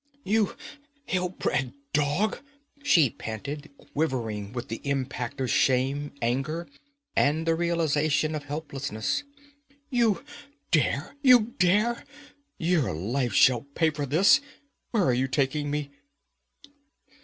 'You hill bred dog!' she panted, quivering with the impact of shame, anger, and the realization of helplessness. 'You dare you dare! Your life shall pay for this! Where are you taking me?'